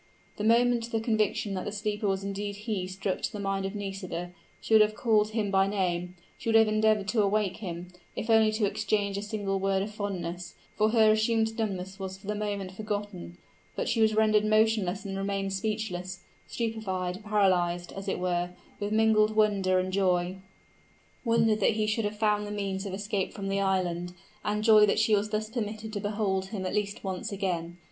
The moment the conviction that the sleeper was indeed he struck to the mind of Nisida, she would have called him by name she would have endeavored to awake him, if only to exchange a single word of fondness, for her assumed dumbness was for the moment forgotten; but she was rendered motionless and remained speechless stupefied, paralyzed, as it were, with mingled wonder and joy; wonder that he should have found the means of escape from the island, and joy that she was thus permitted to behold him at least once again.